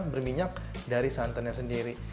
berminyak dari santannya sendiri